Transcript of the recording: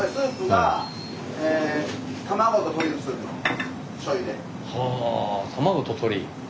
はあ卵と鶏。